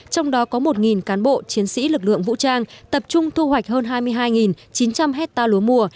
trong đó có một cán bộ chiến sĩ lực lượng vũ trang tập trung thu hoạch hơn hai mươi hai chín trăm linh hectare lúa mùa